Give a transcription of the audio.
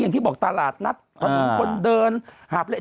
อย่างที่บอกตลาดนัดถนนคนเดินหาบเล็